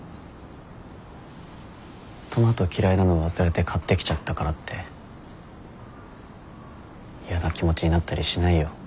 トマト嫌いなの忘れて買ってきちゃったからって嫌な気持ちになったりしないよ